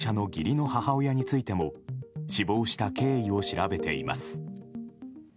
警察は石井容疑者の義理の母親についても死亡した経緯を調べています。